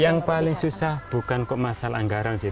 yang paling susah bukan kok masalah anggaran sih